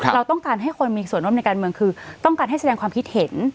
เราต้องการให้คนมีส่วนร่วมในการเมืองคือต้องการให้แสดงความคิดเห็น